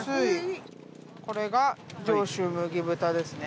これが上州麦豚ですね。